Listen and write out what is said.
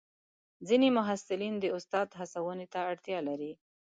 ځینې محصلین د استاد هڅونې ته اړتیا لري.